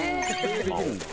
手でできるんだ。